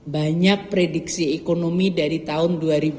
banyak prediksi ekonomi dari tahun dua ribu dua puluh dua dua ribu dua puluh tiga